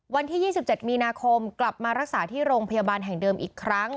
วันที่๒๗มีนาคมกลับมารักษาที่โรงพยาบาลแห่งเดิมอีกครั้ง